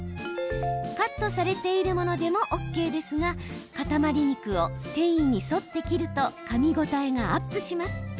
カットされているものでもＯＫですが塊肉を繊維に沿って切るとかみ応えがアップします。